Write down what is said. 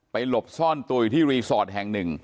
ไปหลบซ่อนตัวอยู่ที่รีสอร์ทแห่ง๑